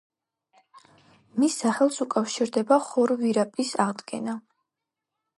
მის სახელს უკავშირდება ხორ-ვირაპის აღდგენა.